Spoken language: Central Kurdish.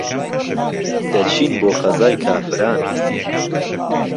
دهچين بۆ خەزای کافران